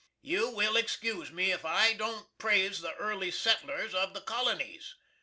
You will excuse me if I don't prase the erly settlers of the Kolonies.